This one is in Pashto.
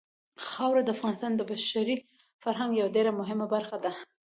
خاوره د افغانستان د بشري فرهنګ یوه ډېره مهمه برخه ده.